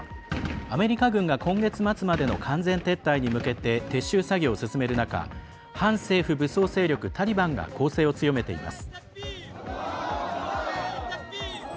アメリカ軍が今月末までの完全撤退に向けて撤収作業を進める中反政府武装勢力タリバンが攻勢を強めています。